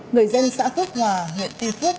người dân xã phước hòa hiện tìm thức